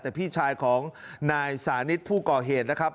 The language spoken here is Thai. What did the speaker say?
แต่พี่ชายของนายสานิทผู้ก่อเหตุนะครับ